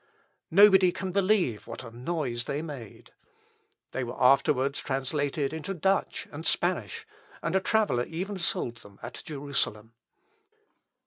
Nobody can believe what a noise they made." They were afterwards translated into Dutch and Spanish, and a traveller even sold them at Jerusalem.